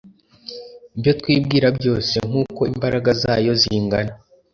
ibyo twibwira byose nk uko imbaraga zayo zingana